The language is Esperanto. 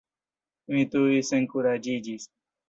Mi tuj senkuraĝiĝis.